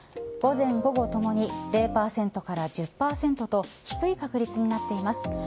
午前午後ともに０％から１０％と低い確率になっています。